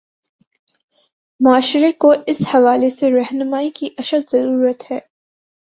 معاشرے کو اس حوالے سے راہنمائی کی اشد ضرورت ہے۔